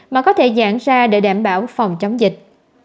mà có thể giãn ra để đảm bảo phòng chống dịch